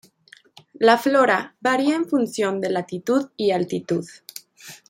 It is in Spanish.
La flora varía en función de latitud y altitud.